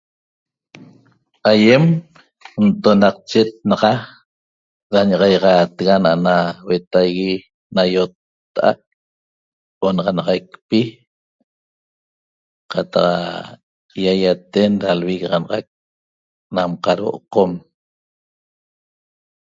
Aýem ntonaqchet naxa da ña'axaixaatega ana'ana huetaigui na ýotta'a'at onaxanaxaicpi qataq ýaýaten da lvigaxanaxac nam qadhuo Qom